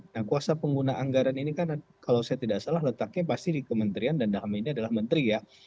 nah kuasa pengguna anggaran ini kan kalau saya tidak salah letaknya pasti di kementerian dan dalam ini adalah menteri ya